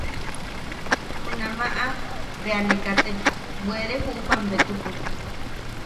Junamaʼa bea ne katek bwere juʼupam betuku.